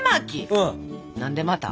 何でまた。